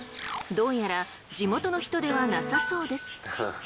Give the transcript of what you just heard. どうやら地元の人ではなさそうです。